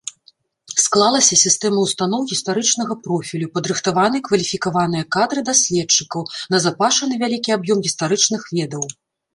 Склалася сістэма ўстаноў гістарычнага профілю, падрыхтаваны кваліфікаваныя кадры даследчыкаў, назапашаны вялікі аб'ём гістарычных ведаў.